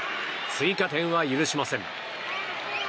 追加点は許しません。